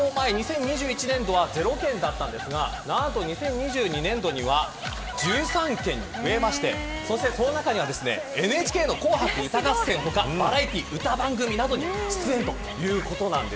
前２０２１年度は０件だったんですが２０２２年度には１３件に増えましてその中にはＮＨＫの紅白歌合戦、他バラエティー、歌番組などに出演ということです。